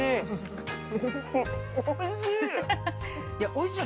おいしい！